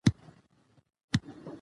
بادام د افغانستان د ځمکې د جوړښت نښه ده.